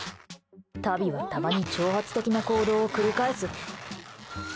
タビはたまに挑発的な行動を繰り返す。